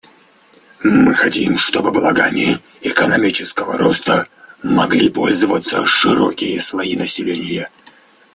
Мы хотим, чтобы благами экономического роста могли пользоваться широкие слои населения.